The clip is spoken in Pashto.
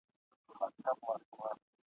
کله به خدایه بیا کندهار وي !.